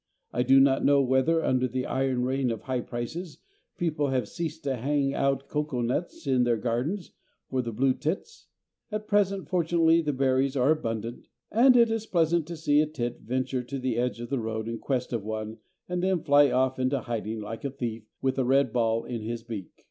I do not know whether, under the iron reign of high prices, people have ceased to hang out coco nuts in their gardens for the blue tits; at present, fortunately, the berries are abundant, and it is pleasant to see a tit venture to the edge of the road in quest of one and then fly off into hiding, like a thief, with a red ball in his beak.